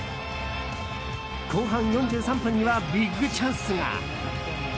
後半４３分にはビッグチャンスが。